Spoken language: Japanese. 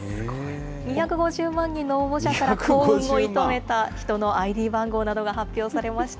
２５０万人の応募者から幸運を射止めた人のＩＤ番号などが発表されました。